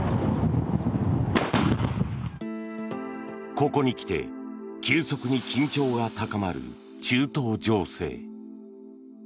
ここにきて急速に緊張が高まる中東情勢。